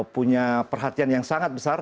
punya perhatian yang sangat besar